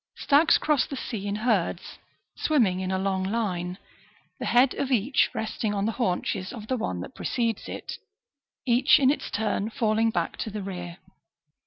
Stags cross the sea in herds, swimming in a long line, the head of each resting on the haunches of the one that precedes it, each in its turn falling back to the rear.